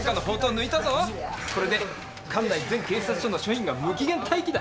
これで管内全警察署の署員が無期限待機だ。